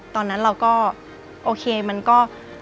ตอนนั้นเราก็โอเคมันก็